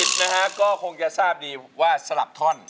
ร้องผิดนะฮะก็คงจะทราบดีว่าสลับท่อน